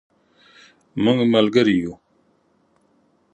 مونږ ملګري یو